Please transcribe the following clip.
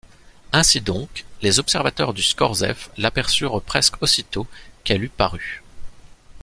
Ainsi donc, les observateurs du Scorzef l’aperçurent presque aussitôt qu’elle eût paru.